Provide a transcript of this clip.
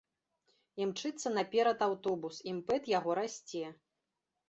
Імчыцца наперад аўтобус, імпэт яго расце.